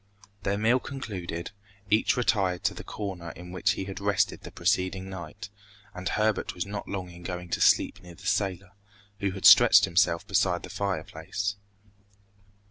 Their meal concluded, each retired to the corner in which he had rested the preceding night, and Herbert was not long in going to sleep near the sailor, who had stretched himself beside the fireplace.